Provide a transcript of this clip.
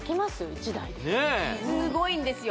１台ですごいんですよ